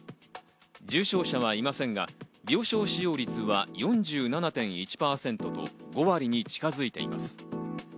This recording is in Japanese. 重症者はいませんが、病床使用率は４７．１％と５割に近づいています。